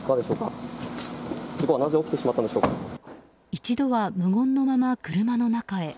一度は無言のまま、車の中へ。